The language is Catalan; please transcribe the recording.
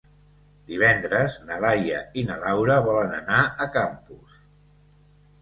Divendres na Laia i na Laura volen anar a Campos.